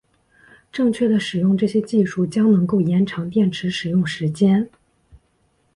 正确的使用这些技术将能够延长电池使用时间。